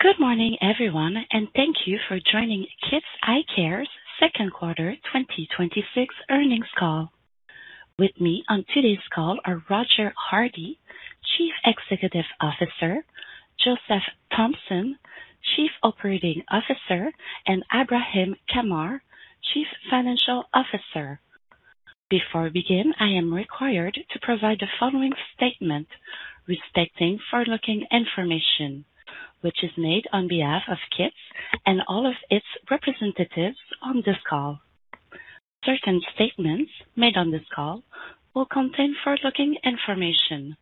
Good morning everyone. Thank you for joining Kits Eyecare's second quarter 2026 earnings call. With me on today's call are Roger Hardy, Chief Executive Officer, Joseph Thompson, Chief Operating Officer, and Ibrahim Kamar, Chief Financial Officer. Before we begin, I am required to provide the following statement respecting forward-looking information, which is made on behalf of Kits and all of its representatives on this call. Certain statements made on this call will contain forward-looking information.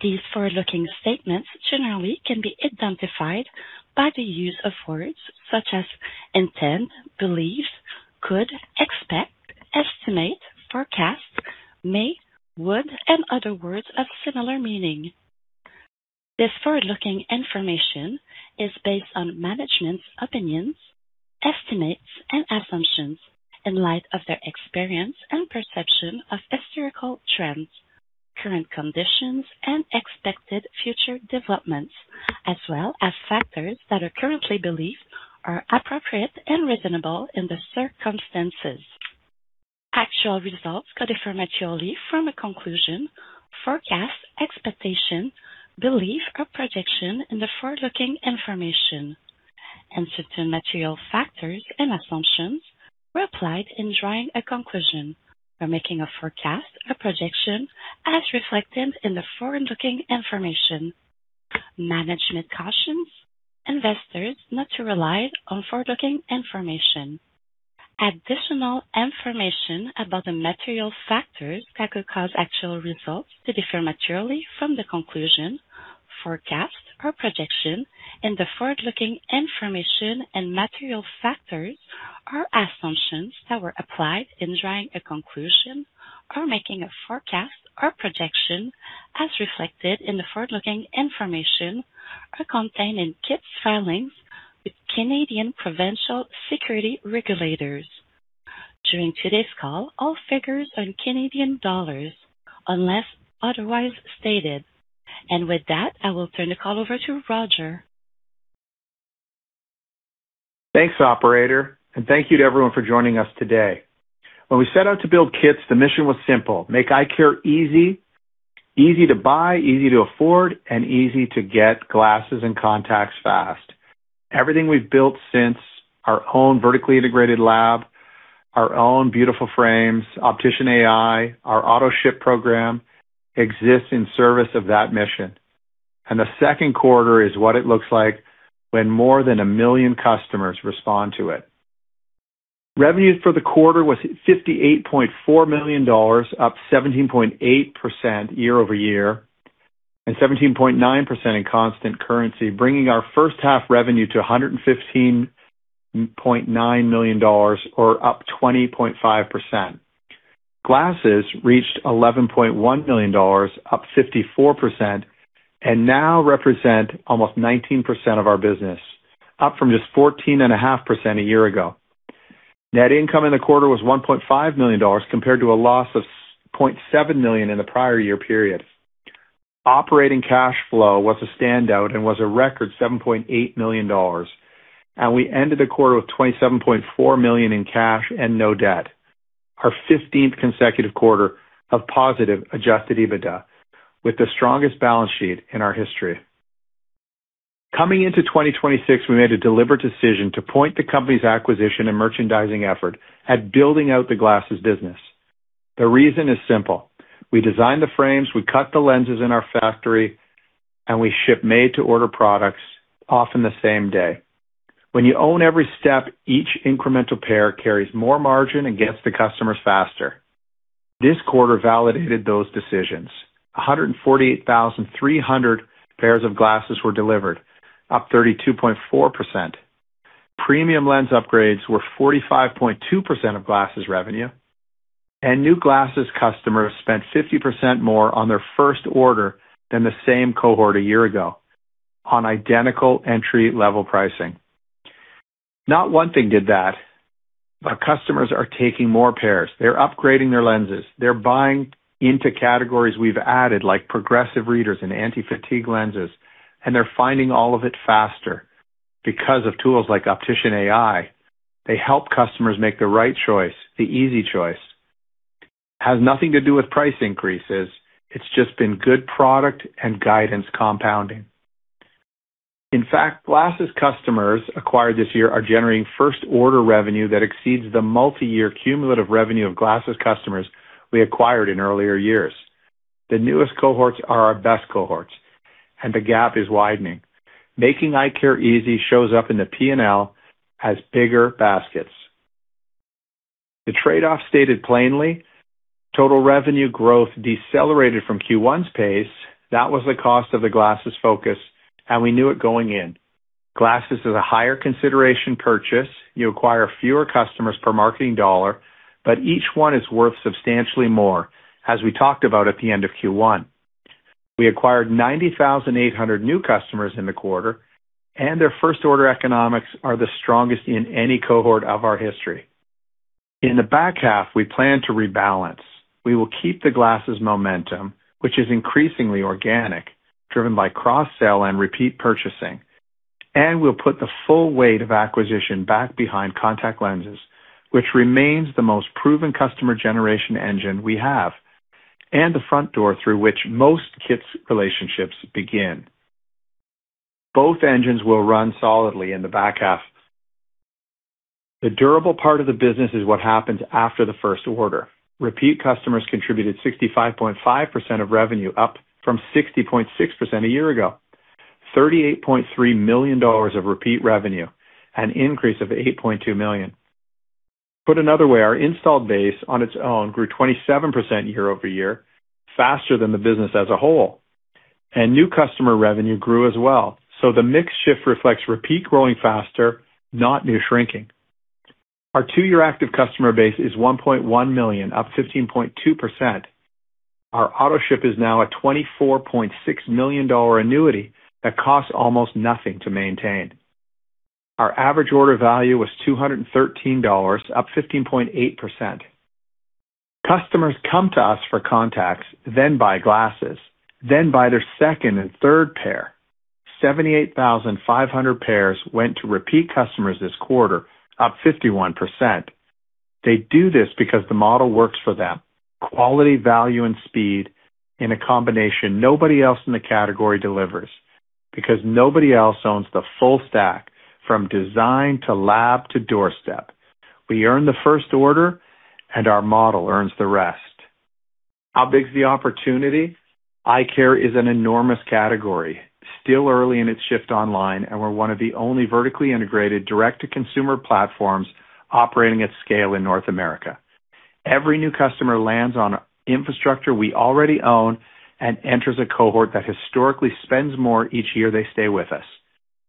These forward-looking statements generally can be identified by the use of words such as intend, believe, could, expect, estimate, forecast, may, would, and other words of similar meaning. This forward-looking information is based on management's opinions, estimates, and assumptions in light of their experience and perception of historical trends, current conditions, and expected future developments, as well as factors that are currently believed are appropriate and reasonable in the circumstances. Actual results could differ materially from a conclusion, forecast, expectation, belief, or projection in the forward-looking information. Certain material factors and assumptions were applied in drawing a conclusion or making a forecast or projection as reflected in the forward-looking information. Management cautions investors not to rely on forward-looking information. Additional information about the material factors that could cause actual results to differ materially from the conclusion, forecast, or projection in the forward-looking information and material factors or assumptions that were applied in drawing a conclusion or making a forecast or projection as reflected in the forward-looking information are contained in Kits' filings with Canadian Provincial Securities Regulators. During today's call, all figures are in CAD unless otherwise stated. With that, I will turn the call over to Roger. Thanks, operator. Thank you to everyone for joining us today. When we set out to build Kits, the mission was simple: make eyecare easy to buy, easy to afford, and easy to get glasses and contacts fast. Everything we've built since, our own vertically integrated lab, our own beautiful frames, OpticianAI, our Autoship program exists in service of that mission. The second quarter is what it looks like when more than a million customers respond to it. Revenue for the quarter was 58.4 million dollars, up 17.8% year-over-year, and 17.9% in constant currency, bringing our first half revenue to 115.9 million dollars, or up 20.5%. Glasses reached 11.1 million dollars, up 54%, and now represent almost 19% of our business, up from just 14.5% a year ago. Net income in the quarter was 1.5 million dollars, compared to a loss of 0.7 million in the prior year period. Operating cash flow was a standout and was a record 7.8 million dollars. We ended the quarter with 27.4 million in cash and no debt, our 15th consecutive quarter of positive Adjusted EBITDA, with the strongest balance sheet in our history. Coming into 2026, we made a deliberate decision to point the company's acquisition and merchandising effort at building out the glasses business. The reason is simple. We design the frames, we cut the lenses in our factory, and we ship made-to-order products, often the same day. When you own every step, each incremental pair carries more margin and gets to customers faster. This quarter validated those decisions. 148,300 pairs of glasses were delivered, up 32.4%. Premium lens upgrades were 45.2% of glasses revenue. New glasses customers spent 50% more on their first order than the same cohort a year ago on identical entry level pricing. Not one thing did that, but customers are taking more pairs. They're upgrading their lenses. They're buying into categories we've added, like progressive readers and anti-fatigue lenses. They're finding all of it faster because of tools like OpticianAI. They help customers make the right choice, the easy choice. Has nothing to do with price increases. It's just been good product and guidance compounding. In fact, glasses customers acquired this year are generating first order revenue that exceeds the multi-year cumulative revenue of glasses customers we acquired in earlier years. The newest cohorts are our best cohorts. The gap is widening. Making eye care easy shows up in the P&L as bigger baskets. The trade-off stated plainly, total revenue growth decelerated from Q1's pace. That was the cost of the glasses focus. We knew it going in. Glasses is a higher consideration purchase. You acquire fewer customers per marketing dollar, but each one is worth substantially more, as we talked about at the end of Q1. We acquired 90,800 new customers in the quarter. Their first order economics are the strongest in any cohort of our history. In the back half, we plan to rebalance. We will keep the glasses momentum, which is increasingly organic, driven by cross-sale and repeat purchasing. We'll put the full weight of acquisition back behind contact lenses, which remains the most proven customer generation engine we have, and the front door through which most Kits relationships begin. Both engines will run solidly in the back half. The durable part of the business is what happens after the first order. Repeat customers contributed 65.5% of revenue, up from 60.6% a year ago. 38.3 million dollars of repeat revenue, an increase of 8.2 million. Put another way, our installed base on its own grew 27% year-over-year, faster than the business as a whole. New customer revenue grew as well. The mix shift reflects repeat growing faster, not new shrinking. Our two-year active customer base is 1.1 million, up 15.2%. Our Autoship is now a 24.6 million dollar annuity that costs almost nothing to maintain. Our average order value was 213 dollars, up 15.8%. Customers come to us for contacts, then buy glasses, then buy their second and third pair. 78,500 pairs went to repeat customers this quarter, up 51%. They do this because the model works for them. Quality, value, and speed in a combination nobody else in the category delivers, because nobody else owns the full stack, from design to lab to doorstep. We earn the first order. Our model earns the rest. How big is the opportunity? Eye care is an enormous category, still early in its shift online. We're one of the only vertically integrated direct-to-consumer platforms operating at scale in North America. Every new customer lands on infrastructure we already own and enters a cohort that historically spends more each year they stay with us.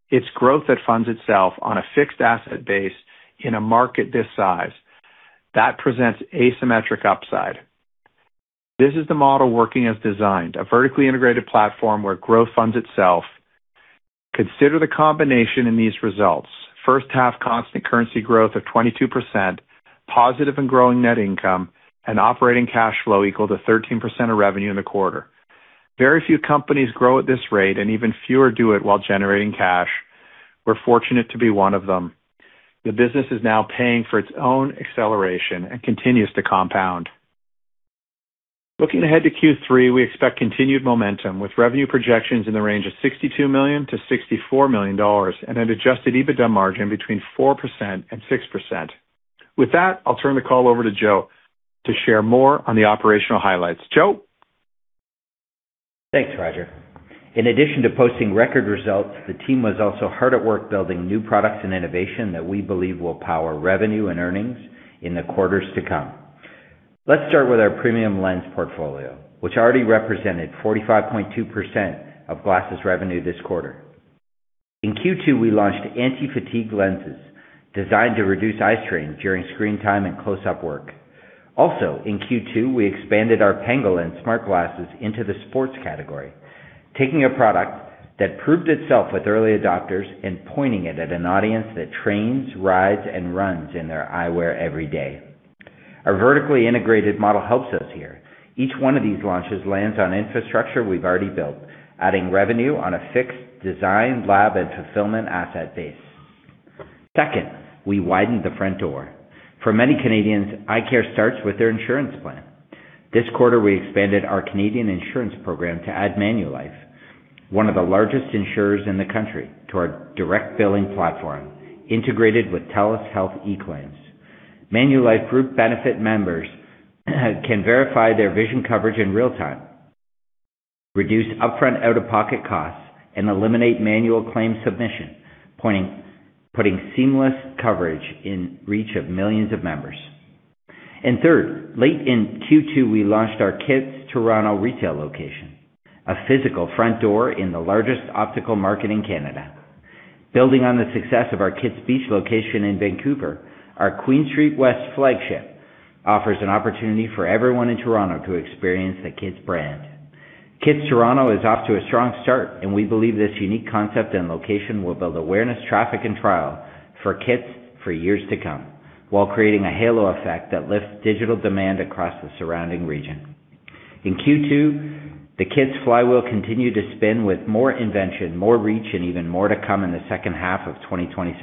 It's growth that funds itself on a fixed asset base in a market this size. That presents asymmetric upside. This is the model working as designed, a vertically integrated platform where growth funds itself. Consider the combination in these results. First half constant currency growth of 22%, positive and growing net income, and operating cash flow equal to 13% of revenue in the quarter. Very few companies grow at this rate, and even fewer do it while generating cash. We're fortunate to be one of them. The business is now paying for its own acceleration and continues to compound. Looking ahead to Q3, we expect continued momentum, with revenue projections in the range of 62 million-64 million dollars, and an Adjusted EBITDA margin between 4%-6%. With that, I'll turn the call over to Joe to share more on the operational highlights. Joe? Thanks, Roger. In addition to posting record results, the team was also hard at work building new products and innovation that we believe will power revenue and earnings in the quarters to come. Let's start with our premium lens portfolio, which already represented 45.2% of glasses revenue this quarter. In Q2, we launched anti-fatigue lenses designed to reduce eye strain during screen time and close-up work. Also in Q2, we expanded our Pangolin smart glasses into the sports category, taking a product that proved itself with early adopters and pointing it at an audience that trains, rides, and runs in their eyewear every day. Our vertically integrated model helps us here. Each one of these launches lands on infrastructure we've already built, adding revenue on a fixed design, lab, and fulfillment asset base. Second, we widened the front door. For many Canadians, eye care starts with their insurance plan. This quarter, we expanded our Canadian insurance program to add Manulife, one of the largest insurers in the country, to our direct billing platform, integrated with TELUS Health eClaims. Manulife group benefit members can verify their vision coverage in real time, reduce upfront out-of-pocket costs, and eliminate manual claims submission, putting seamless coverage in reach of millions of members. Third, late in Q2, we launched our Kits Toronto retail location, a physical front door in the largest optical market in Canada. Building on the success of our Kits Beach location in Vancouver, our Queen Street West flagship offers an opportunity for everyone in Toronto to experience the Kits brand. Kits Toronto is off to a strong start, and we believe this unique concept and location will build awareness, traffic, and trial for Kits for years to come while creating a halo effect that lifts digital demand across the surrounding region. In Q2, the Kits flywheel continued to spin with more invention, more reach, and even more to come in the second half of 2026.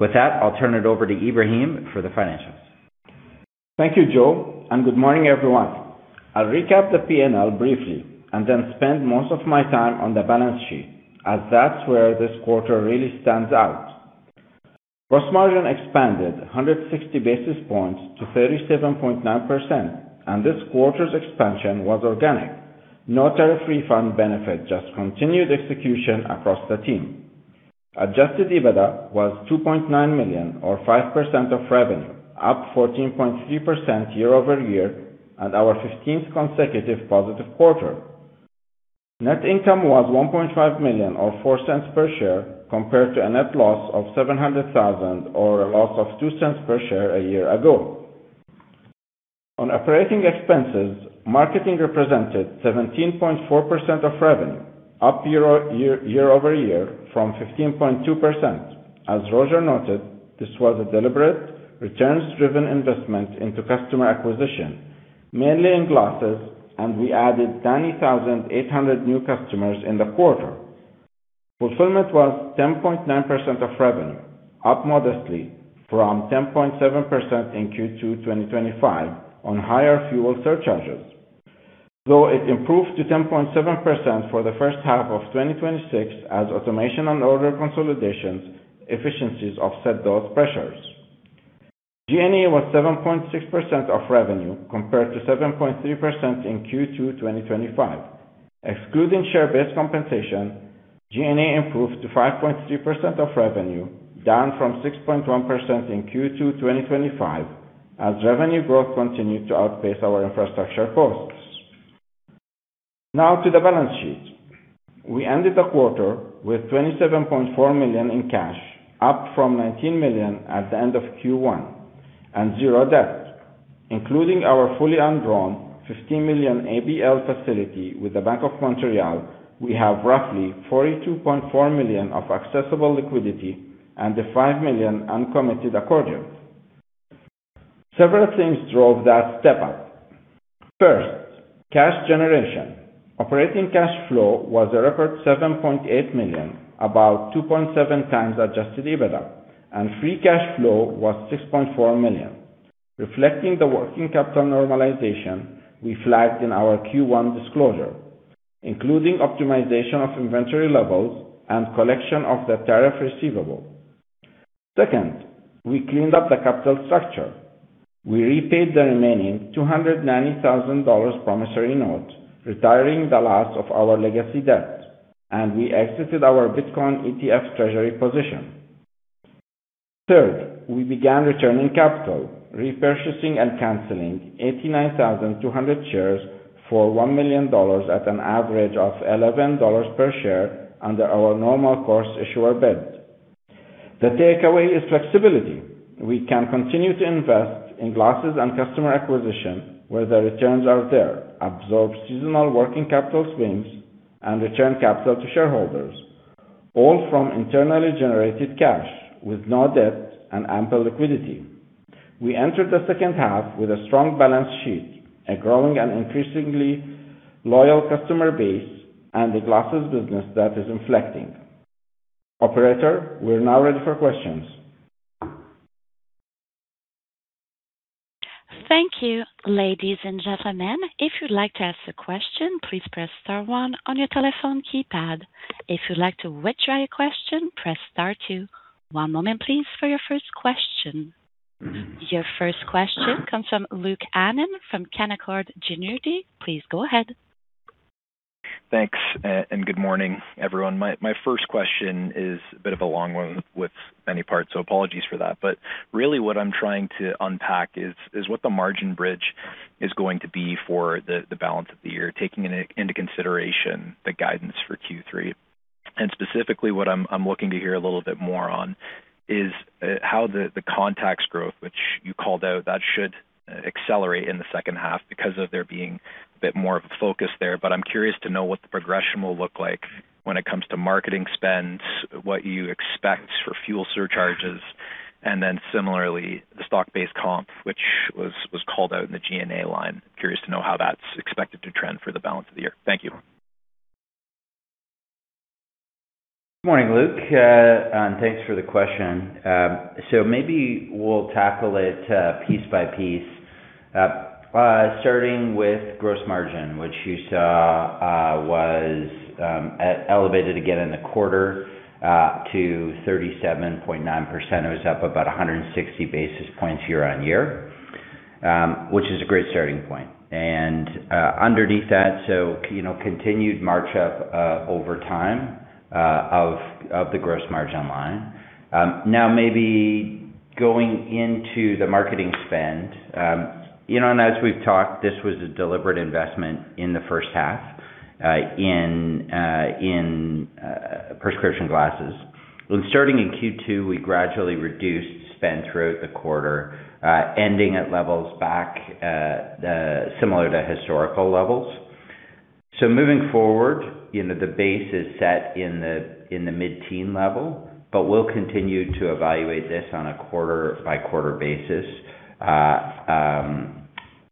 With that, I'll turn it over to Ibrahim for the financials. Thank you, Joe, good morning, everyone. I'll recap the P&L briefly then spend most of my time on the balance sheet, as that's where this quarter really stands out. Gross margin expanded 160 basis points to 37.9%. This quarter's expansion was organic. No tariff refund benefit, just continued execution across the team. Adjusted EBITDA was 2.9 million or 5% of revenue, up 14.3% year-over-year at our 15th consecutive positive quarter. Net income was 1.5 million or 0.04 per share compared to a net loss of 700,000 or a loss of 0.02 per share a year ago. On operating expenses, marketing represented 17.4% of revenue, up year-over-year from 15.2%. As Roger noted, this was a deliberate, returns-driven investment into customer acquisition, mainly in glasses. We added 90,800 new customers in the quarter. Fulfillment was 10.9% of revenue, up modestly from 10.7% in Q2 2025 on higher fuel surcharges. Though it improved to 10.7% for the first half of 2026 as automation and order consolidation efficiencies offset those pressures. G&A was 7.6% of revenue compared to 7.3% in Q2 2025. Excluding share-based compensation, G&A improved to 5.3% of revenue, down from 6.1% in Q2 2025, as revenue growth continued to outpace our infrastructure costs. To the balance sheet. We ended the quarter with 27.4 million in cash, up from 19 million at the end of Q1, zero debt. Including our fully undrawn 15 million ABL facility with the Bank of Montreal, we have roughly 42.4 million of accessible liquidity a 5 million uncommitted accordion. Several things drove that step up. First, cash generation. Operating cash flow was a record 7.8 million, about 2.7x Adjusted EBITDA. Free cash flow was 6.4 million, reflecting the working capital normalization we flagged in our Q1 disclosure, including optimization of inventory levels collection of the tariff receivable. Second, we cleaned up the capital structure. We repaid the remaining 290,000 dollars promissory note, retiring the last of our legacy debt. We exited our Bitcoin ETF treasury position. Third, we began returning capital, repurchasing and canceling 89,200 shares for 1 million dollars at an average of 11 dollars per share under our normal course issuer bid. The takeaway is flexibility. We can continue to invest in glasses and customer acquisition where the returns are there, absorb seasonal working capital swings, return capital to shareholders, all from internally generated cash with no debt ample liquidity. We entered the second half with a strong balance sheet, a growing and increasingly loyal customer base, a glasses business that is inflecting. Operator, we're now ready for questions. Thank you. Ladies and gentlemen, if you'd like to ask a question, please press star one on your telephone keypad. If you'd like to withdraw your question, press star two. One moment, please, for your first question. Your first question comes from Luke Hannan from Canaccord Genuity. Please go ahead. Thanks. Good morning, everyone. My first question is a bit of a long one with many parts, so apologies for that. Really what I'm trying to unpack is, what the margin bridge is going to be for the balance of the year, taking into consideration the guidance for Q3. Specifically, what I'm looking to hear a little bit more on is how the contacts growth, which you called out, that should accelerate in the second half because of there being a bit more of a focus there. I'm curious to know what the progression will look like when it comes to marketing spends, what you expect for fuel surcharges, and then similarly, the stock-based comp, which was called out in the G&A line. Curious to know how that's expected to trend for the balance of the year. Thank you. Morning, Luke. Thanks for the question. Maybe we'll tackle it piece by piece, starting with gross margin, which you saw was elevated again in the quarter to 37.9%. It was up about 160 basis points year-on-year, which is a great starting point. Underneath that, continued march up over time of the gross margin line. Maybe going into the marketing spend. As we've talked, this was a deliberate investment in the first half in prescription glasses. Starting in Q2, we gradually reduced spend throughout the quarter, ending at levels back similar to historical levels. Moving forward, the base is set in the mid-teen level, but we'll continue to evaluate this on a quarter-by-quarter basis,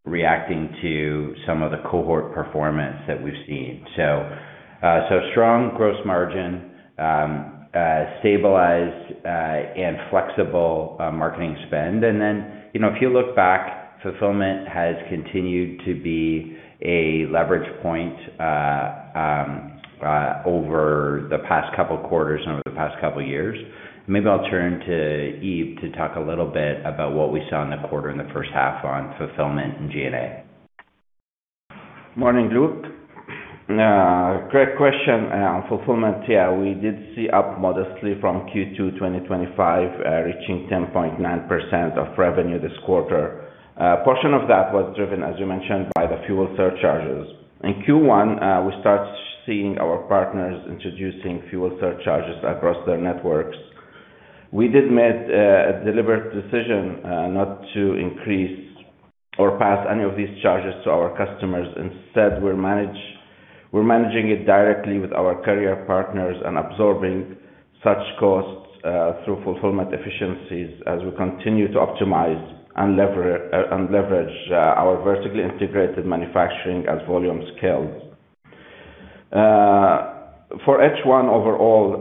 reacting to some of the cohort performance that we've seen. Strong gross margin, stabilized and flexible marketing spend. Then, if you look back, fulfillment has continued to be a leverage point over the past couple of quarters and over the past couple of years. Maybe I'll turn to Ib to talk a little bit about what we saw in the quarter in the first half on fulfillment and G&A. Morning, Luke. Great question. On fulfillment, we did see up modestly from Q2 2025, reaching 10.9% of revenue this quarter. A portion of that was driven, as you mentioned, by the fuel surcharges. In Q1, we start seeing our partners introducing fuel surcharges across their networks. We did make a deliberate decision not to increase or pass any of these charges to our customers. Instead, we're managing it directly with our carrier partners and absorbing such costs through fulfillment efficiencies as we continue to optimize and leverage our vertically integrated manufacturing as volume scales. For H1 overall,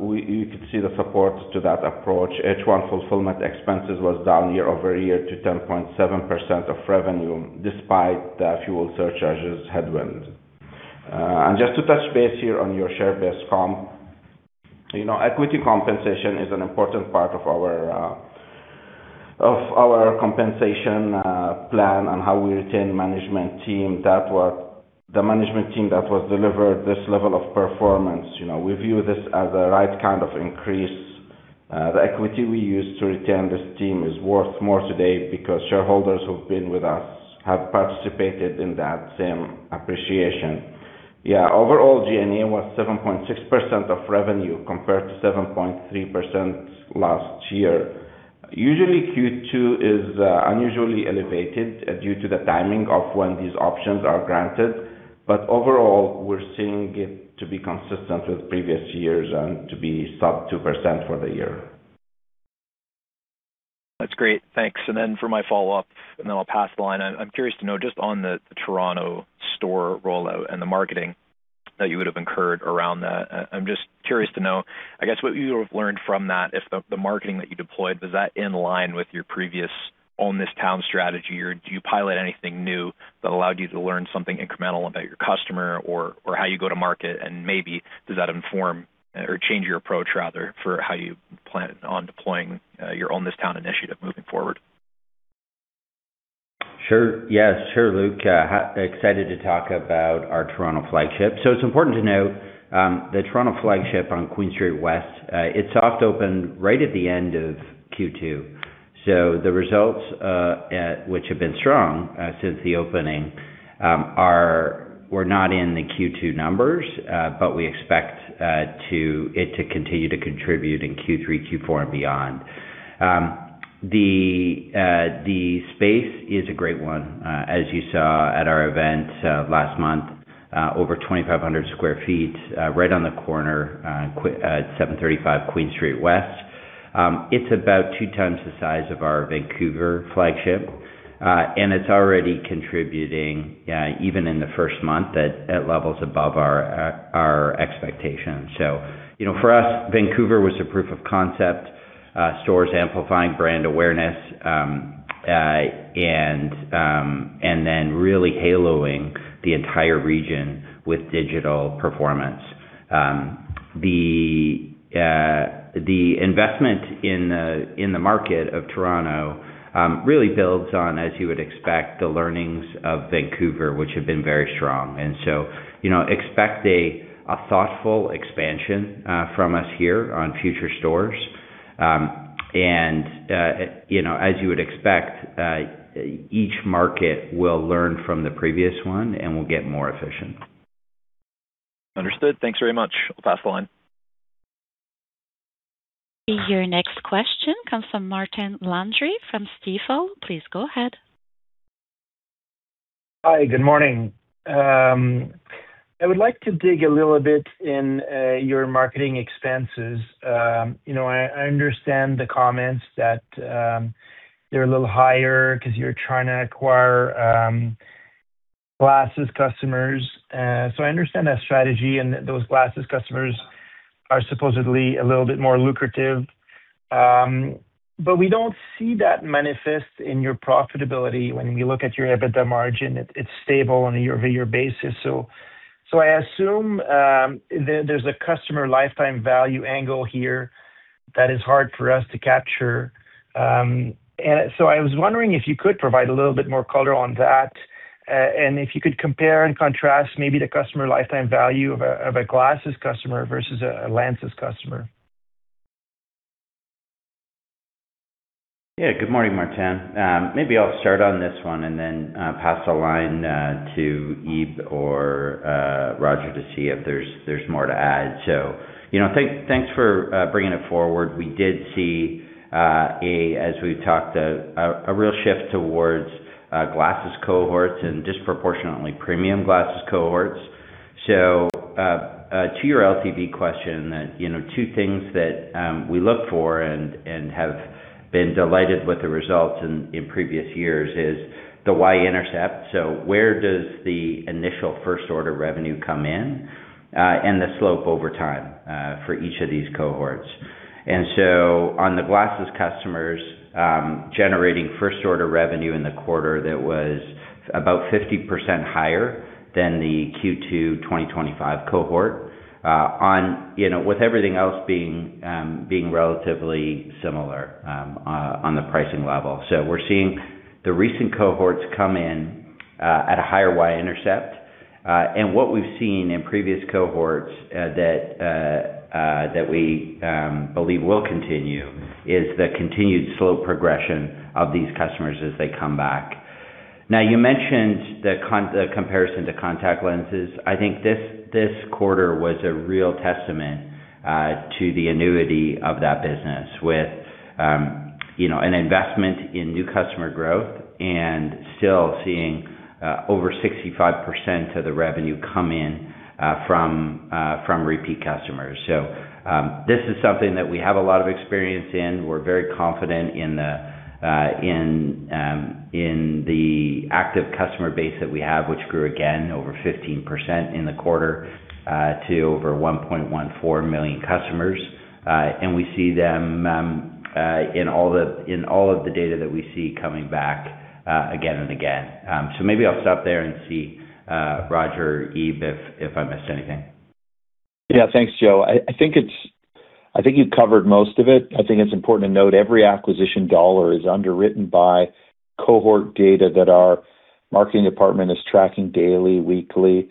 you could see the support to that approach. H1 fulfillment expenses was down year-over-year to 10.7% of revenue, despite the fuel surcharges headwind. Just to touch base here on your share-based comp. Equity compensation is an important part of our compensation plan and how we retain the management team that has delivered this level of performance. We view this as the right kind of increase. The equity we use to retain this team is worth more today because shareholders who've been with us have participated in that same appreciation. Overall G&A was 7.6% of revenue compared to 7.3% last year. Usually, Q2 is unusually elevated due to the timing of when these options are granted. Overall, we're seeing it to be consistent with previous years and to be sub 2% for the year. That's great. Thanks. For my follow-up, then I'll pass the line. I'm curious to know, just on the Toronto store rollout and the marketing that you would have incurred around that. I'm just curious to know, I guess, what you have learned from that. If the marketing that you deployed, was that in line with your previous Own This Town strategy, or do you pilot anything new that allowed you to learn something incremental about your customer or how you go to market? Maybe does that inform or change your approach rather for how you plan on deploying your Own This Town initiative moving forward? Sure. Sure, Luke. Excited to talk about our Toronto flagship. It's important to note, the Toronto flagship on Queen Street West, it soft opened right at the end of Q2. The results, which have been strong since the opening, were not in the Q2 numbers. We expect it to continue to contribute in Q3, Q4, and beyond. The space is a great one, as you saw at our event last month. Over 2,500 sq ft, right on the corner at 735 Queen Street West. It's about two times the size of our Vancouver flagship, and it's already contributing, even in the first month, at levels above our expectations. For us, Vancouver was a proof of concept. Stores amplifying brand awareness, then really haloing the entire region with digital performance. The investment in the market of Toronto really builds on, as you would expect, the learnings of Vancouver, which have been very strong. So, expect a thoughtful expansion from us here on future stores. As you would expect, each market will learn from the previous one and will get more efficient. Understood. Thanks very much. I'll pass the line. Your next question comes from Martin Landry from Stifel. Please go ahead. Hi. Good morning. I would like to dig a little bit in your marketing expenses. I understand the comments that they're a little higher because you're trying to acquire glasses customers. I understand that strategy and that those glasses customers are supposedly a little bit more lucrative. We don't see that manifest in your profitability when we look at your EBITDA margin. It's stable on a year-over-year basis. I assume there's a customer lifetime value angle here that is hard for us to capture. I was wondering if you could provide a little bit more color on that. If you could compare and contrast maybe the customer lifetime value of a glasses customer versus a lenses customer. Good morning, Martin. Maybe I'll start on this one and then pass the line to Ib or Roger to see if there's more to add. Thanks for bringing it forward. We did see, as we've talked, a real shift towards glasses cohorts and disproportionately premium glasses cohorts. To your LTV question that, two things that we look for and have been delighted with the results in previous years is the Y-intercept. Where does the initial first order revenue come in, and the slope over time for each of these cohorts. On the glasses customers, generating first order revenue in the quarter, that was about 50% higher than the Q2 2025 cohort with everything else being relatively similar on the pricing level. We're seeing the recent cohorts come in at a higher Y-intercept. What we've seen in previous cohorts that we believe will continue is the continued slope progression of these customers as they come back. Now, you mentioned the comparison to contact lenses. I think this quarter was a real testament to the annuity of that business with an investment in new customer growth and still seeing over 65% of the revenue come in from repeat customers. This is something that we have a lot of experience in. We're very confident in the active customer base that we have, which grew again over 15% in the quarter to over 1.14 million customers. We see them in all of the data that we see coming back again and again. Maybe I'll stop there and see Roger or Ib if I missed anything. Thanks, Joe. I think you've covered most of it. I think it's important to note every acquisition dollar is underwritten by cohort data that our marketing department is tracking daily, weekly.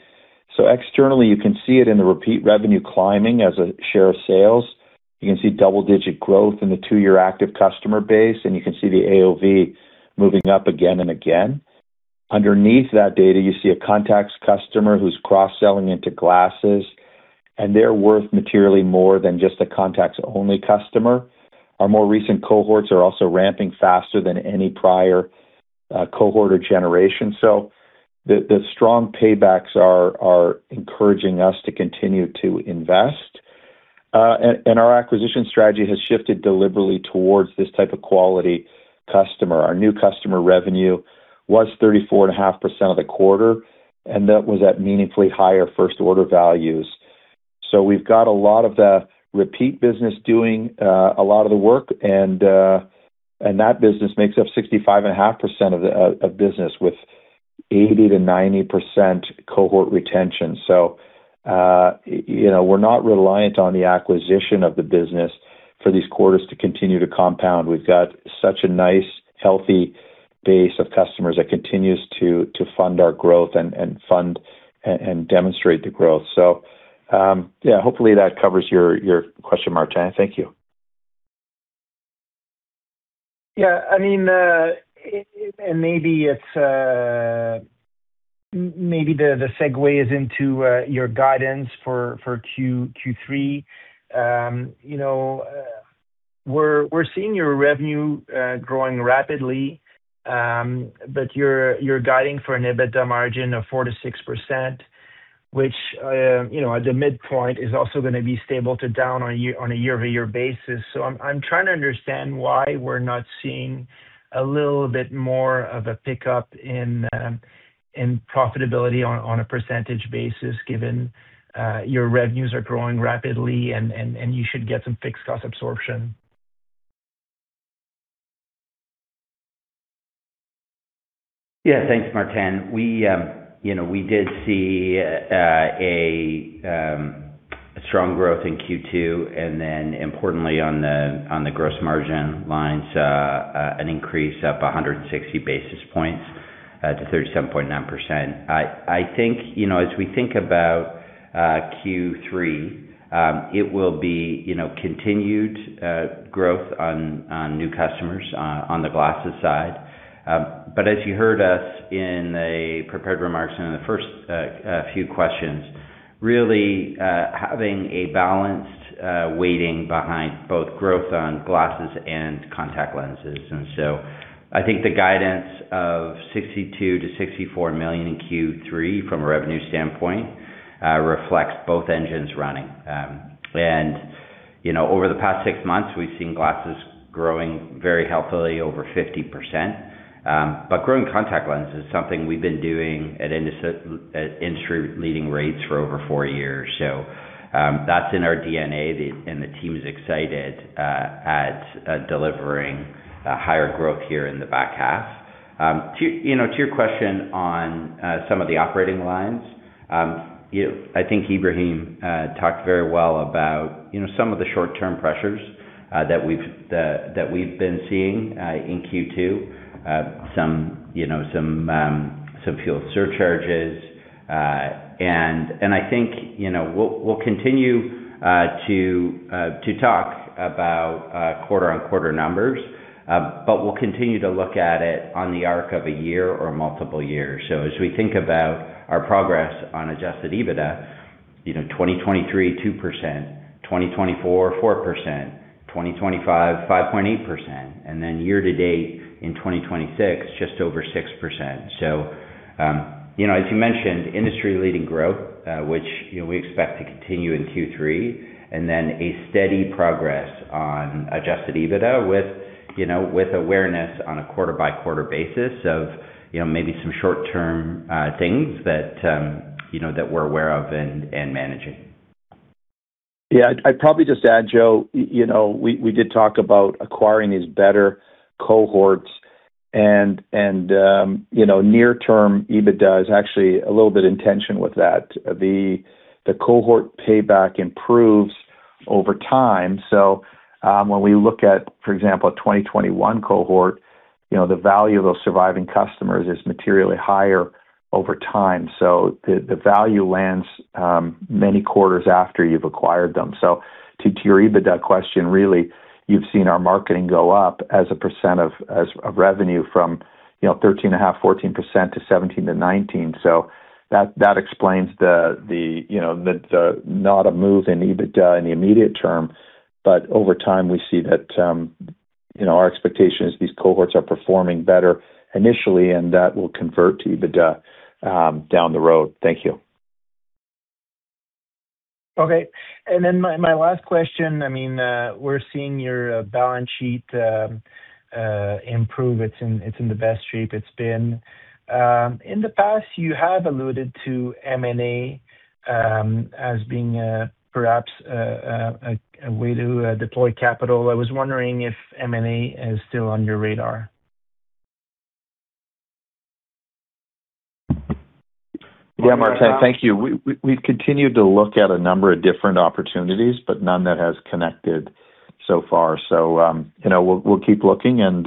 Externally, you can see it in the repeat revenue climbing as a share of sales. You can see double-digit growth in the two-year active customer base, and you can see the AOV moving up again and again. Underneath that data, you see a contacts customer who's cross-selling into glasses, and they're worth materially more than just a contacts-only customer. Our more recent cohorts are also ramping faster than any prior cohort or generation. The strong paybacks are encouraging us to continue to invest. Our acquisition strategy has shifted deliberately towards this type of quality customer. Our new customer revenue was 34.5% of the quarter, and that was at meaningfully higher first-order values. We've got a lot of the repeat business doing a lot of the work, and that business makes up 65.5% of business with 80%-90% cohort retention. We're not reliant on the acquisition of the business for these quarters to continue to compound. We've got such a nice, healthy base of customers that continues to fund our growth and demonstrate the growth. Hopefully that covers your question, Martin. Thank you. Maybe the segue is into your guidance for Q3. We are seeing your revenue growing rapidly, but you are guiding for an EBITDA margin of 4%-6%, which at the midpoint is also going to be stable to down on a year-over-year basis. I am trying to understand why we are not seeing a little bit more of a pickup in profitability on a percentage basis, given your revenues are growing rapidly, and you should get some fixed cost absorption. Thanks, Martin. We did see a strong growth in Q2, importantly on the gross margin lines, an increase of 160 basis points to 37.9%. As we think about Q3, it will be continued growth on new customers on the glasses side. As you heard us in the prepared remarks and in the first few questions, really having a balanced weighting behind both growth on glasses and contact lenses. I think the guidance of 62 million-64 million in Q3 from a revenue standpoint reflects both engines running. Over the past six months, we have seen glasses growing very healthily over 50%. Growing contact lenses is something we have been doing at industry-leading rates for over four years. That is in our DNA and the team is excited at delivering higher growth here in the back half. To your question on some of the operating lines, I think Ibrahim talked very well about some of the short-term pressures that we have been seeing in Q2. Some fuel surcharges, I think we will continue to talk about quarter-on-quarter numbers, but we will continue to look at it on the arc of a year or multiple years. As we think about our progress on Adjusted EBITDA, 2023, 2%, 2024, 4%, 2025, 5.8%, year-to-date in 2026, just over 6%. As you mentioned, industry-leading growth, which we expect to continue in Q3, a steady progress on Adjusted EBITDA with awareness on a quarter-by-quarter basis of maybe some short-term things that we are aware of and managing. I would probably just add, Joe, we did talk about acquiring these better cohorts and near-term EBITDA is actually a little bit in tension with that. The cohort payback improves over time. When we look at, for example, a 2021 cohort, the value of those surviving customers is materially higher over time. The value lands many quarters after you have acquired them. To your EBITDA question, really, you have seen our marketing go up as a percent of revenue from 13.5%, 14% to 17%-19%. That explains the not a move in EBITDA in the immediate term, but over time, we see that our expectation is these cohorts are performing better initially, and that will convert to EBITDA down the road. Thank you. My last question, we're seeing your balance sheet improve. It's in the best shape it's been. In the past, you have alluded to M&A as being perhaps a way to deploy capital. I was wondering if M&A is still on your radar. Yeah, Martin. Thank you. We've continued to look at a number of different opportunities, but none that has connected so far. We'll keep looking and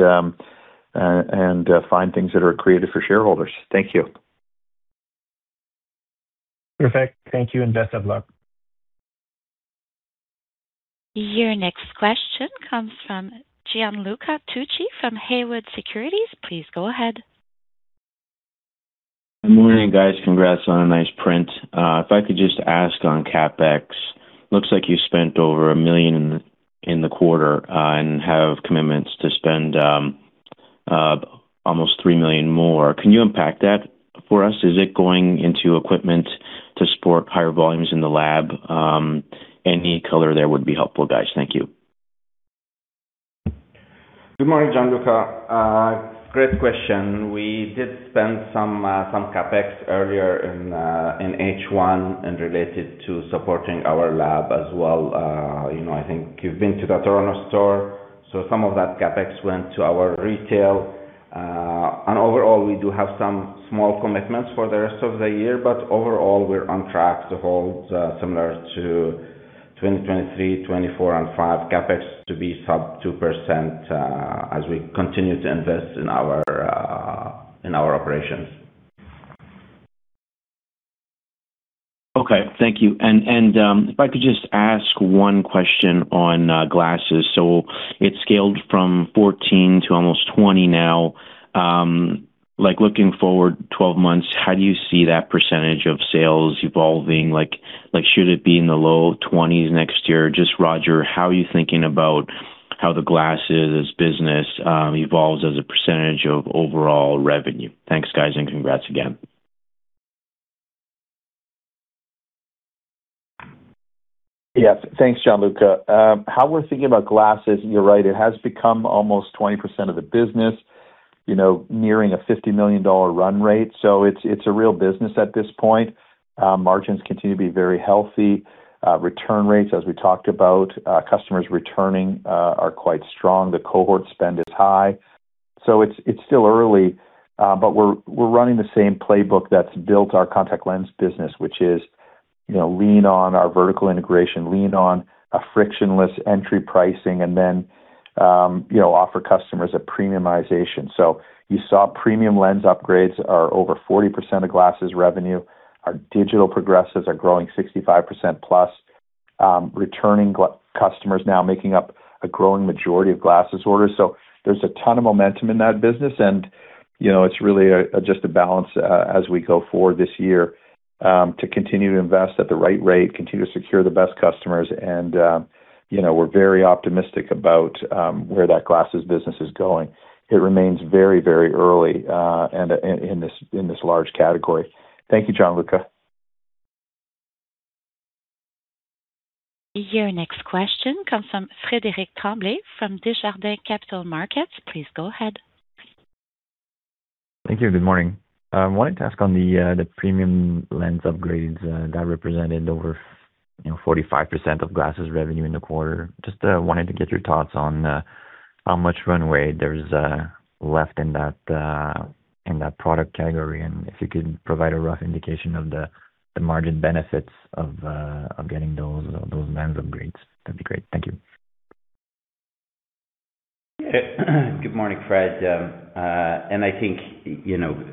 find things that are accretive for shareholders. Thank you. Perfect. Thank you and best of luck. Your next question comes from Gianluca Tucci from Haywood Securities. Please go ahead. Good morning, guys. Congrats on a nice print. If I could just ask on CapEx, looks like you spent over 1 million in the quarter and have commitments to spend almost 3 million more. Can you unpack that for us? Is it going into equipment to support higher volumes in the lab? Any color there would be helpful, guys. Thank you. Good morning, Gianluca. Great question. We did spend some CapEx earlier in H1 and related to supporting our lab as well. I think you've been to the Toronto store. Some of that CapEx went to our retail. Overall, we do have some small commitments for the rest of the year, but overall, we're on track to hold similar to 2023, 2024, and 2025 CapEx to be sub 2% as we continue to invest in our operations. Okay, thank you. If I could just ask one question on glasses. It scaled from 14 to almost 20 now. Looking forward 12 months, how do you see that percentage of sales evolving? Should it be in the low 20s next year? Just Roger, how are you thinking about how the glasses business evolves as a percentage of overall revenue? Thanks, guys, and congrats again. Yes. Thanks, Gianluca. How we're thinking about glasses, you're right, it has become almost 20% of the business, nearing a 50 million dollar run rate. It's a real business at this point. Margins continue to be very healthy. Return rates, as we talked about, customers returning are quite strong. The cohort spend is high. It's still early, but we're running the same playbook that's built our contact lens business, which is lean on our vertical integration, lean on a frictionless entry pricing, and then offer customers a premiumization. You saw premium lens upgrades are over 40% of glasses revenue. Our digital progressives are growing 65% plus, returning customers now making up a growing majority of glasses orders. There's a ton of momentum in that business, and it's really just a balance as we go forward this year to continue to invest at the right rate, continue to secure the best customers, and we're very optimistic about where that glasses business is going. It remains very, very early in this large category. Thank you, Gianluca. Your next question comes from Frederic Tremblay from Desjardins Capital Markets. Please go ahead. Thank you. Good morning. I wanted to ask on the premium lens upgrades that represented over 45% of glasses revenue in the quarter. Just wanted to get your thoughts on how much runway there is left in that product category, and if you could provide a rough indication of the margin benefits of getting those lens upgrades. That'd be great. Thank you. Good morning, Fred.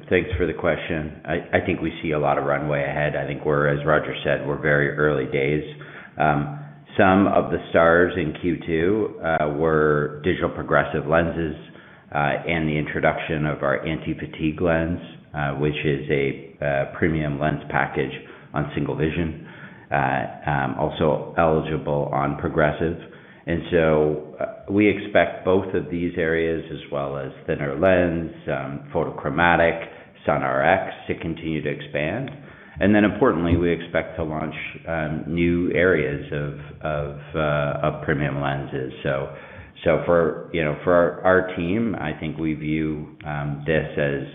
Thanks for the question. I think we see a lot of runway ahead. I think we're, as Roger said, we're very early days. Some of the stars in Q2 were digital progressive lenses, and the introduction of our anti-fatigue lens, which is a premium lens package on single vision, also eligible on progressive. We expect both of these areas, as well as thinner lens, photochromic, SunRx, to continue to expand. Importantly, we expect to launch new areas of premium lenses. For our team, I think we view this as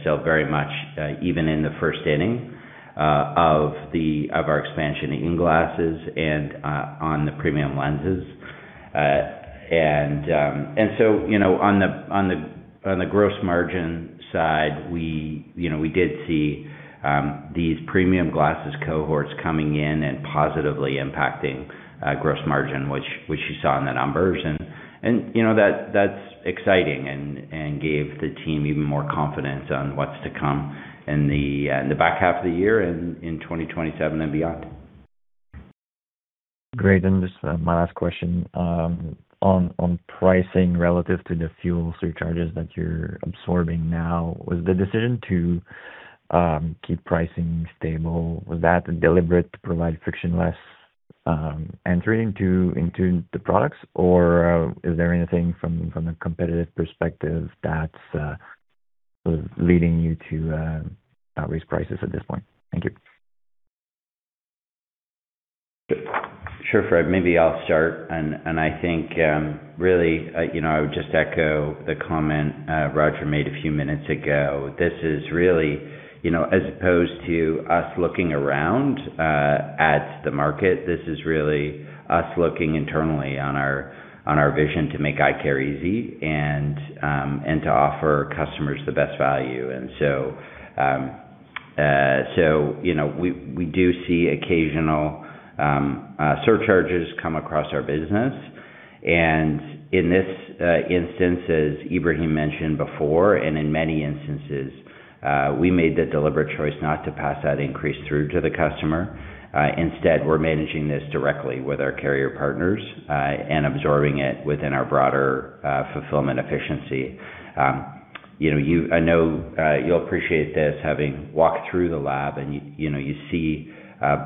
still very much even in the first inning of our expansion in glasses and on the premium lenses. On the gross margin side, we did see these premium glasses cohorts coming in and positively impacting gross margin, which you saw in the numbers, and that's exciting and gave the team even more confidence on what's to come in the back half of the year in 2027 and beyond. Great. Just my last question, on pricing relative to the fuel surcharges that you're absorbing now, was the decision to keep pricing stable, was that deliberate to provide frictionless entry into the products? Or is there anything from a competitive perspective that's sort of leading you to not raise prices at this point? Thank you. Sure, Fred. Maybe I'll start. I think, really, I would just echo the comment Roger made a few minutes ago. This is really, as opposed to us looking around at the market, this is really us looking internally on our vision to make eyecare easy and to offer customers the best value. We do see occasional surcharges come across our business. In this instance, as Ibrahim mentioned before, and in many instances, we made the deliberate choice not to pass that increase through to the customer. Instead, we're managing this directly with our carrier partners, and absorbing it within our broader fulfillment efficiency. I know you'll appreciate this, having walked through the lab and you see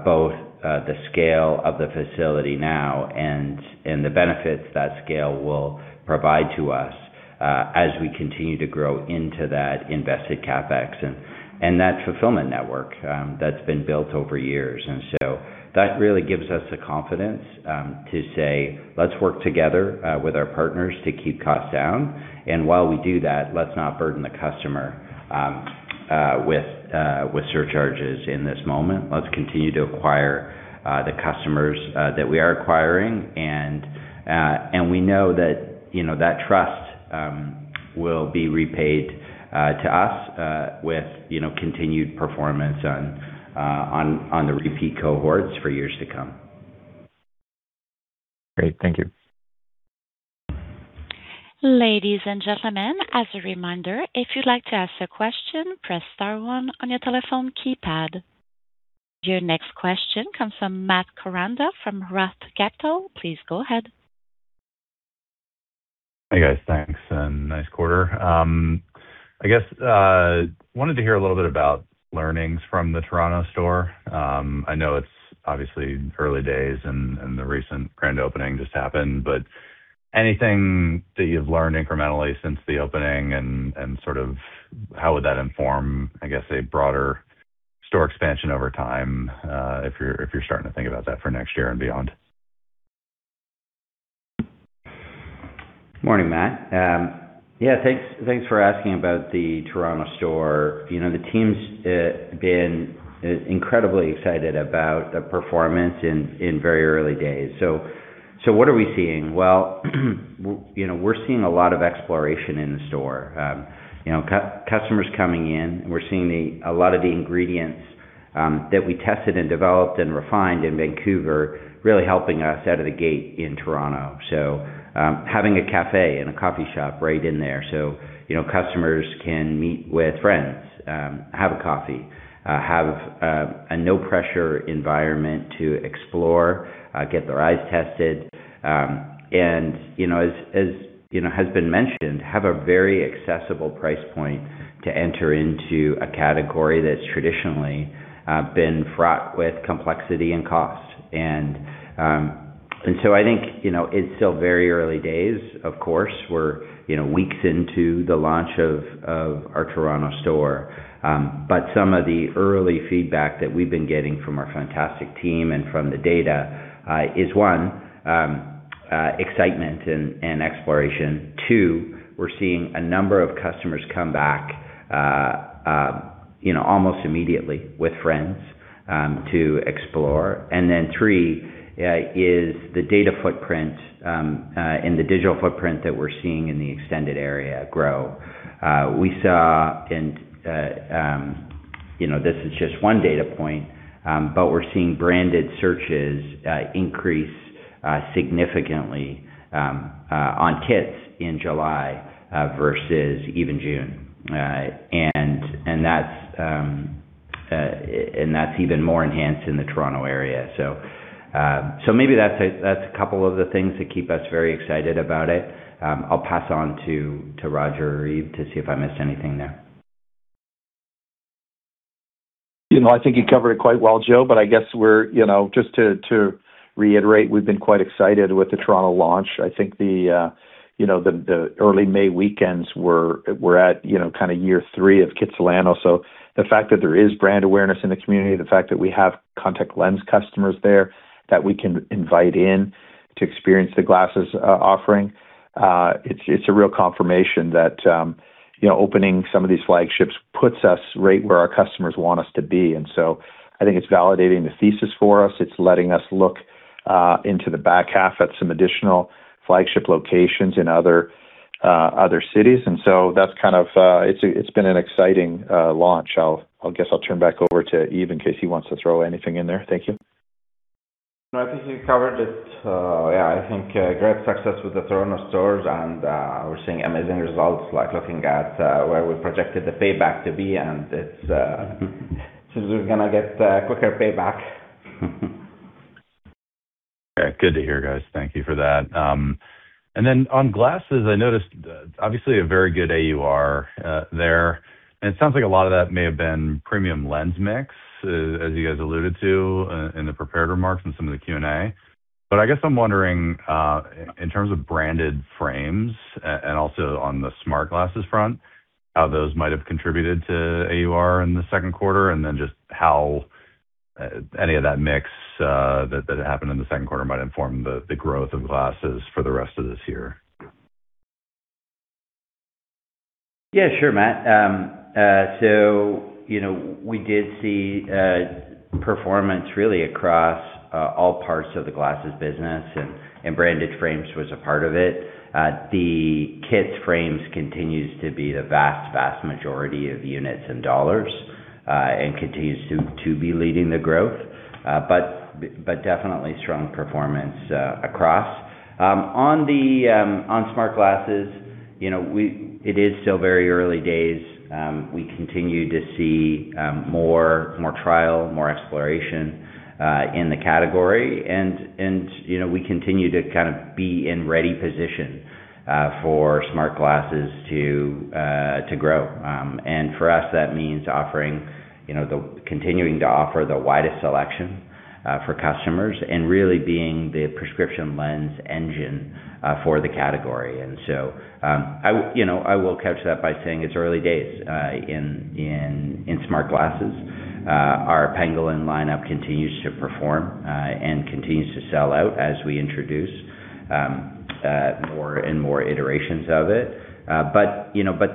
both the scale of the facility now and the benefits that scale will provide to us, as we continue to grow into that invested CapEx and that fulfillment network that's been built over years. That really gives us the confidence to say, let's work together with our partners to keep costs down. While we do that, let's not burden the customer with surcharges in this moment. Let's continue to acquire the customers that we are acquiring. We know that that trust will be repaid to us with continued performance on the repeat cohorts for years to come. Great. Thank you. Ladies and gentlemen, as a reminder, if you'd like to ask a question, press star one on your telephone keypad. Your next question comes from Matt Koranda from ROTH Capital. Please go ahead. Hey, guys. Thanks, nice quarter. wanted to hear a little bit about learnings from the Toronto store. I know it's obviously early days the recent grand opening just happened, anything that you've learned incrementally since the opening and sort of how would that inform a broader store expansion over time, if you're starting to think about that for next year and beyond? Morning, Matt. Yeah, thanks for asking about the Toronto store. The team's been incredibly excited about the performance in very early days. What are we seeing? We're seeing a lot of exploration in the store. Customers coming in, we're seeing a lot of the ingredients that we tested and developed and refined in Vancouver really helping us out of the gate in Toronto. Having a cafe and a coffee shop right in there, so customers can meet with friends, have a coffee, have a no-pressure environment to explore, get their eyes tested. As has been mentioned, have a very accessible price point to enter into a category that's traditionally been fraught with complexity and cost. I think, it's still very early days, of course. We're weeks into the launch of our Toronto store. Some of the early feedback that we've been getting from our fantastic team and from the data, is one, excitement and exploration. Two, we're seeing a number of customers come back almost immediately with friends to explore. Three, is the data footprint, and the digital footprint that we're seeing in the extended area grow. We saw, and this is just one data point, but we're seeing branded searches increase significantly on Kits in July versus even June. That's even more enhanced in the Toronto area. Maybe that's a couple of the things that keep us very excited about it. I'll pass on to Roger or Ib to see if I missed anything there. I think you covered it quite well, Joe, I guess just to reiterate, we've been quite excited with the Toronto launch. I think the early May weekends were at kind of year three of Kitsilano. The fact that there is brand awareness in the community, the fact that we have contact lens customers there that we can invite in to experience the glasses offering, it's a real confirmation that opening some of these flagships puts us right where our customers want us to be. I think it's validating the thesis for us. It's letting us look into the back half at some additional flagship locations in other cities. It's been an exciting launch. I guess I'll turn back over to Ib in case he wants to throw anything in there. Thank you. No, I think you covered it. I think great success with the Toronto stores. We're seeing amazing results, like looking at where we projected the payback to be, it seems we're gonna get quicker payback. Good to hear, guys. Thank you for that. On glasses, I noticed obviously a very good AUR there, and it sounds like a lot of that may have been premium lens mix, as you guys alluded to in the prepared remarks and some of the Q&A. I guess I'm wondering, in terms of branded frames and also on the smart glasses front, how those might have contributed to AUR in the second quarter, and then just how any of that mix that happened in the second quarter might inform the growth of glasses for the rest of this year. Yeah, sure, Matt. We did see performance really across all parts of the glasses business, and branded frames was a part of it. The Kits frames continues to be the vast majority of units and dollars, and continues to be leading the growth, but definitely strong performance across. On smart glasses, it is still very early days. We continue to see more trial, more exploration in the category, and we continue to be in ready position for smart glasses to grow. For us, that means continuing to offer the widest selection for customers and really being the prescription lens engine for the category. I will couch that by saying it's early days in smart glasses. Our Pangolin lineup continues to perform and continues to sell out as we introduce more and more iterations of it.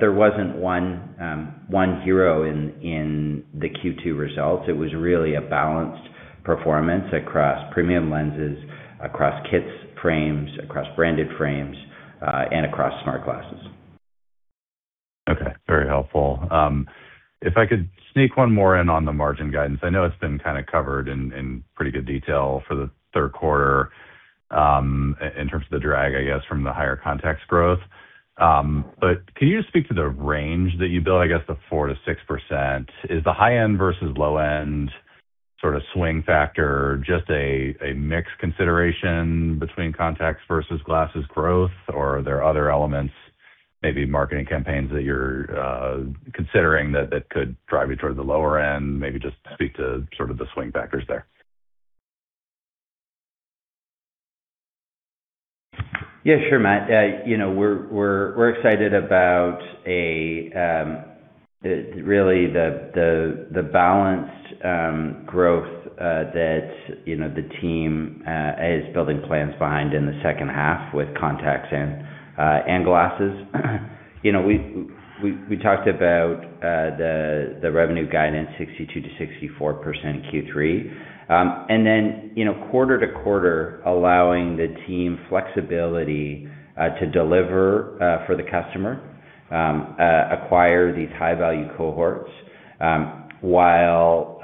There wasn't one hero in the Q2 results. It was really a balanced performance across premium lenses, across Kits frames, across branded frames, and across smart glasses. Okay. Very helpful. If I could sneak one more in on the margin guidance. I know it's been covered in pretty good detail for the third quarter, in terms of the drag, I guess, from the higher contacts growth. Can you just speak to the range that you built, I guess the 4%-6%? Is the high end versus low end swing factor just a mix consideration between contacts versus glasses growth, or are there other elements, maybe marketing campaigns that you're considering that could drive you towards the lower end? Maybe just speak to the swing factors there. Yeah, sure, Matt. We're excited about really the balanced growth that the team is building plans behind in the second half with contacts and glasses. We talked about the revenue guidance 62%-64% in Q3. Quarter to quarter, allowing the team flexibility to deliver for the customer, acquire these high-value cohorts while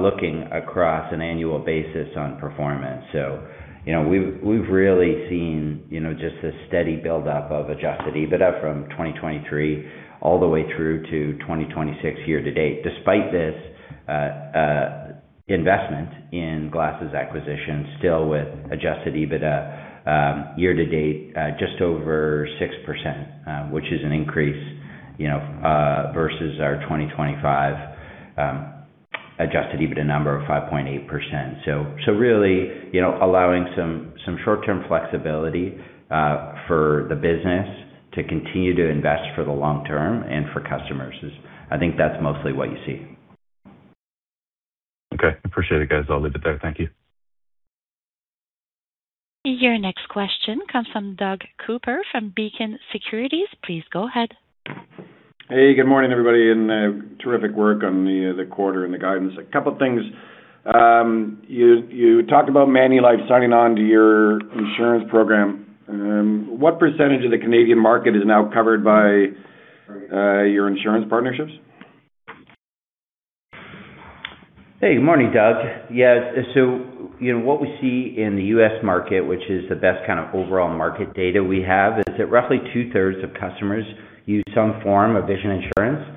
looking across an annual basis on performance. We've really seen just the steady buildup of Adjusted EBITDA from 2023 all the way through to 2026 year to date. Despite this investment in glasses acquisition still with Adjusted EBITDA year to date just over 6%, which is an increase versus our 2025 Adjusted EBITDA number of 5.8%. Really allowing some short-term flexibility for the business to continue to invest for the long term and for customers is, I think that's mostly what you see. Okay. Appreciate it, guys. I'll leave it there. Thank you. Your next question comes from Doug Cooper from Beacon Securities. Please go ahead. Hey, good morning, everybody, and terrific work on the quarter and the guidance. A couple of things. You talked about Manulife signing on to your insurance program. What percentage of the Canadian market is now covered by your insurance partnerships? Hey, good morning, Doug. What we see in the U.S. market, which is the best kind of overall market data we have, is that roughly 2/3 of customers use some form of vision insurance.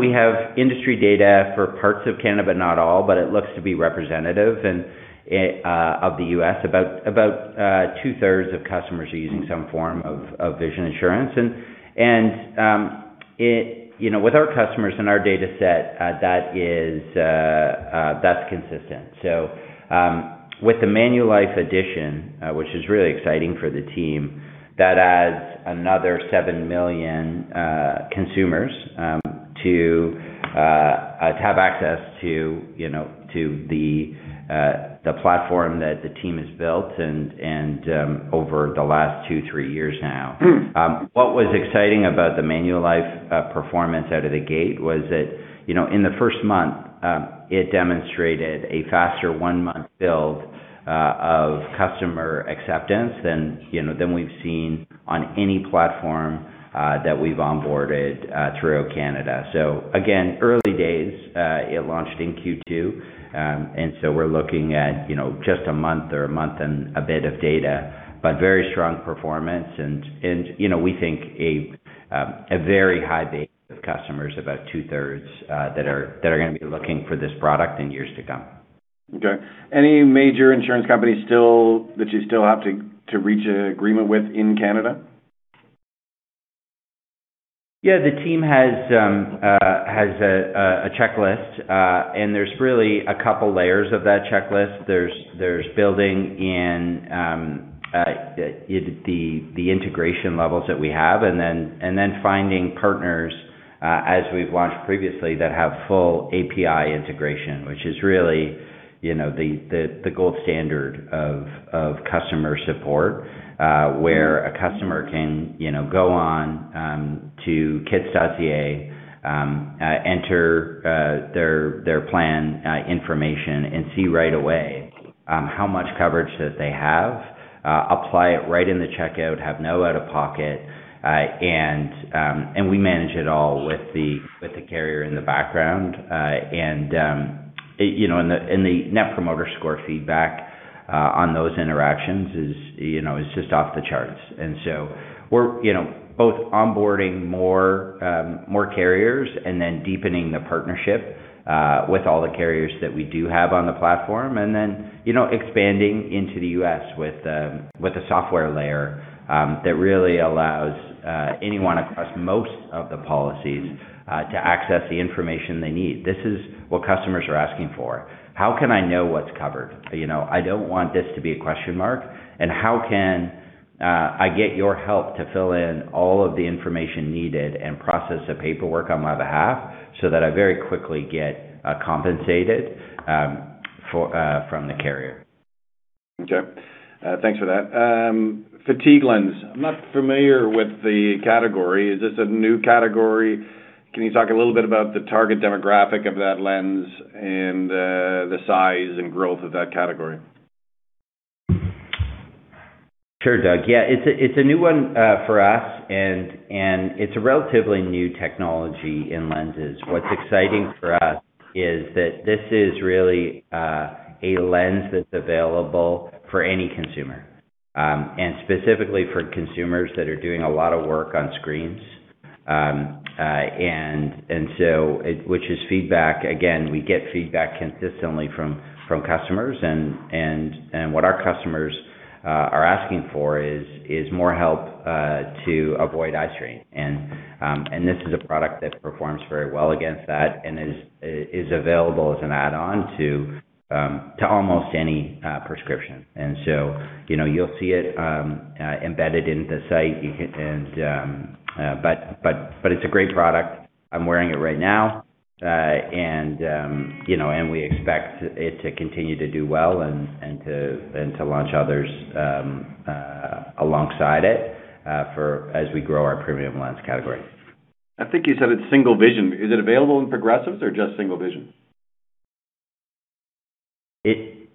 We have industry data for parts of Canada, not all, but it looks to be representative of the U.S., about 2/3 of customers are using some form of vision insurance. With our customers and our data set, that's consistent. With the Manulife addition, which is really exciting for the team, that adds another seven million consumers to have access to the platform that the team has built over the last two, three years now. What was exciting about the Manulife performance out of the gate was that in the first month, it demonstrated a faster one-month build of customer acceptance than we've seen on any platform that we've onboarded throughout Canada. Again, early days, it launched in Q2, we're looking at just a month or a month and a bit of data, very strong performance, and we think a very high base of customers, about two-thirds that are going to be looking for this product in years to come. Okay. Any major insurance companies that you still have to reach an agreement with in Canada? Yeah, the team has a checklist, there's really a couple layers of that checklist. There's building in the integration levels that we have, finding partners, as we've watched previously, that have full API integration, which is really the gold standard of customer support. Where a customer can go on to kits.ca, enter their plan information, see right away how much coverage that they have, apply it right in the checkout, have no out-of-pocket, we manage it all with the carrier in the background. The net promoter score feedback on those interactions is just off the charts. We're both onboarding more carriers deepening the partnership with all the carriers that we do have on the platform, expanding into the U.S. with a software layer that really allows anyone across most of the policies to access the information they need. This is what customers are asking for. How can I know what's covered? I don't want this to be a question mark. How can I get your help to fill in all of the information needed and process the paperwork on my behalf so that I very quickly get compensated from the carrier? Okay. Thanks for that. Fatigue lens. I'm not familiar with the category. Is this a new category? Can you talk a little bit about the target demographic of that lens and the size and growth of that category? Sure, Doug. Yeah. It's a new one for us, it's a relatively new technology in lenses. What's exciting for us is that this is really a lens that's available for any consumer, specifically for consumers that are doing a lot of work on screens. Which is feedback, again, we get feedback consistently from customers, what our customers are asking for is more help to avoid eye strain. This is a product that performs very well against that and is available as an add-on to almost any prescription. You'll see it embedded in the site. It's a great product. I'm wearing it right now. We expect it to continue to do well and to launch others alongside it as we grow our premium lens category. I think you said it's single vision. Is it available in progressives or just single vision?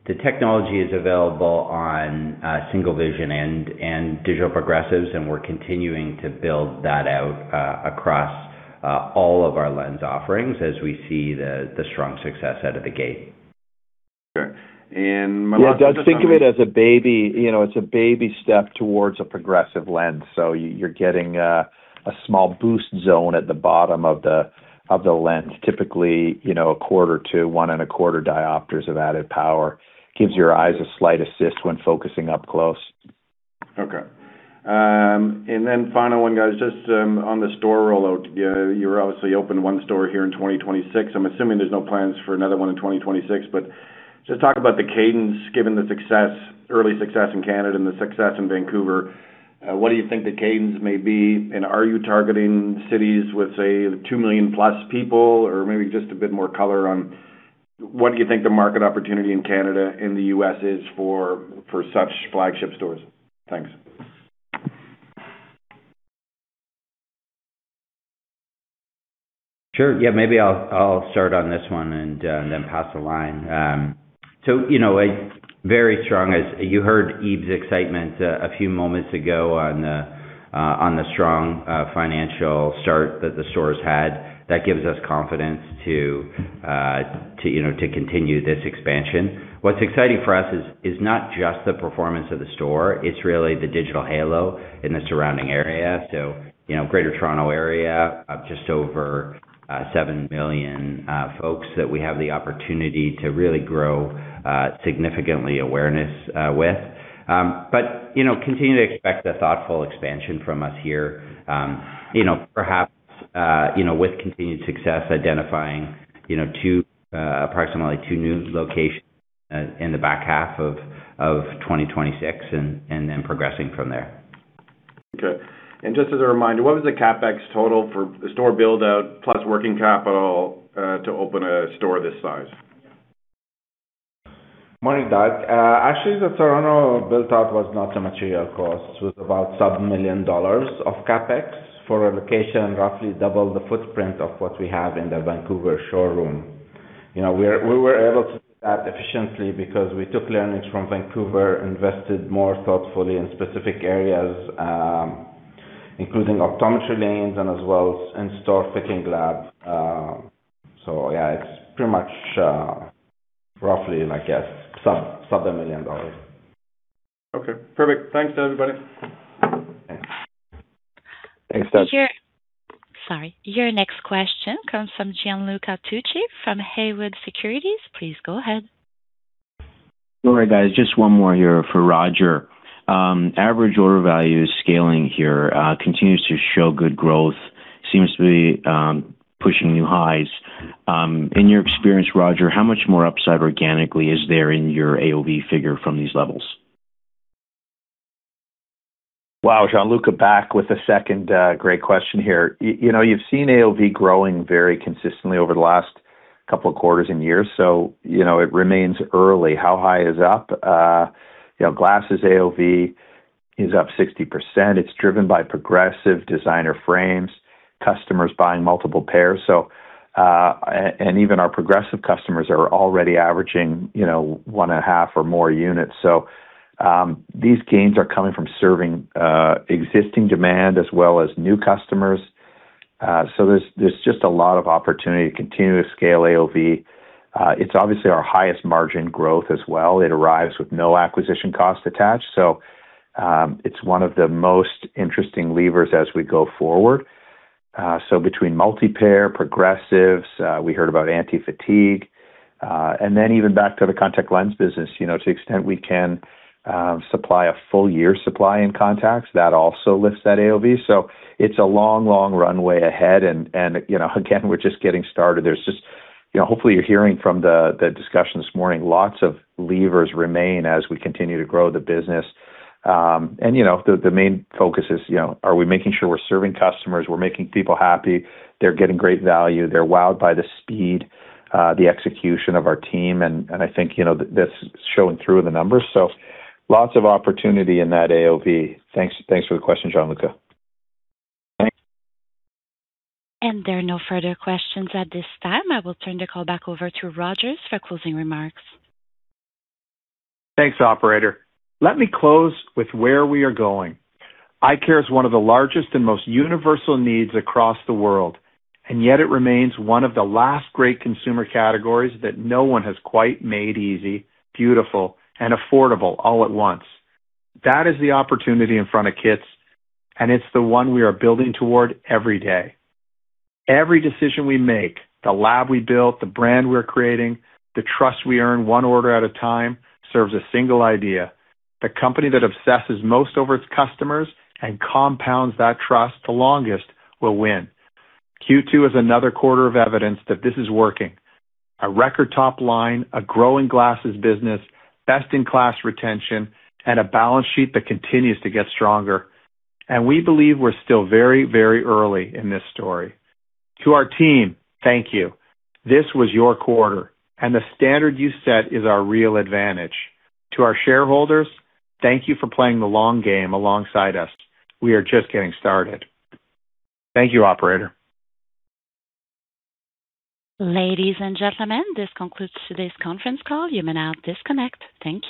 The technology is available on single vision and digital progressives, we're continuing to build that out across all of our lens offerings as we see the strong success out of the gate. Sure. Yeah, Doug, think of it as a baby step towards a progressive lens. You're getting a small boost zone at the bottom of the lens, typically 0.25 to 1.25 diopters of added power. Gives your eyes a slight assist when focusing up close. Okay. Final one, guys. Just on the store rollout, you obviously opened one store here in 2026. I'm assuming there's no plans for another one in 2026, but just talk about the cadence given the early success in Canada and the success in Vancouver. What do you think the cadence may be, and are you targeting cities with, say, 2 million plus people, or maybe just a bit more color on what you think the market opportunity in Canada, in the U.S. is for such flagship stores? Thanks. Sure. Yeah, maybe I'll start on this one and then pass the line. Very strong, as you heard Ib' excitement a few moments ago on the strong financial start that the stores had. That gives us confidence to continue this expansion. What's exciting for us is not just the performance of the store, it's really the digital halo in the surrounding area. Greater Toronto area of just over 7 million folks that we have the opportunity to really grow significantly awareness with. Continue to expect a thoughtful expansion from us here. Perhaps, with continued success, identifying approximately two new locations in the back half of 2026, and then progressing from there. Okay. Just as a reminder, what was the CapEx total for the store build-out plus working capital to open a store this size? Morning, Doug. Actually, the Toronto build-out was not a material cost. It was about sub million dollars of CapEx for a location roughly double the footprint of what we have in the Vancouver showroom. We were able to do that efficiently because we took learnings from Vancouver, invested more thoughtfully in specific areas, including optometry lanes, and as well as in-store fitting lab. Yeah, it's pretty much roughly, I guess, sub a million dollars. Okay, perfect. Thanks to everybody. Thanks, Doug. Sorry. Your next question comes from Gianluca Tucci from Haywood Securities. Please go ahead. All right, guys, just one more here for Roger. Average order value scaling here continues to show good growth, seems to be pushing new highs. In your experience, Roger, how much more upside organically is there in your AOV figure from these levels? Wow, Gianluca, back with a second great question here. You've seen AOV growing very consistently over the last couple of quarters and years, so it remains early. How high is up? Glasses AOV is up 60%. It's driven by progressive designer frames, customers buying multiple pairs. Even our progressive customers are already averaging one and a half or more units. These gains are coming from serving existing demand as well as new customers. There's just a lot of opportunity to continue to scale AOV. It's obviously our highest margin growth as well. It arrives with no acquisition cost attached, so it's one of the most interesting levers as we go forward. Between multi-pair, progressives, we heard about anti-fatigue, and then even back to the contact lens business, to the extent we can supply a full year supply in contacts, that also lifts that AOV. It's a long, long runway ahead. Again, we're just getting started. Hopefully you're hearing from the discussion this morning, lots of levers remain as we continue to grow the business. The main focus is, are we making sure we're serving customers, we're making people happy, they're getting great value, they're wowed by the speed, the execution of our team, and I think that's showing through in the numbers. Lots of opportunity in that AOV. Thanks for the question, Gianluca. Thanks. There are no further questions at this time. I will turn the call back over to Roger for closing remarks. Thanks, operator. Let me close with where we are going. Eyecare is one of the largest and most universal needs across the world, and yet it remains one of the last great consumer categories that no one has quite made easy, beautiful, and affordable all at once. That is the opportunity in front of Kits, and it's the one we are building toward every day. Every decision we make, the lab we build, the brand we're creating, the trust we earn one order at a time serves a single idea. The company that obsesses most over its customers and compounds that trust the longest will win. Q2 is another quarter of evidence that this is working. A record top line, a growing glasses business, best-in-class retention, and a balance sheet that continues to get stronger. We believe we're still very, very early in this story. To our team, thank you. This was your quarter, and the standard you set is our real advantage. To our shareholders, thank you for playing the long game alongside us. We are just getting started. Thank you, operator. Ladies and gentlemen, this concludes today's conference call. You may now disconnect. Thank you.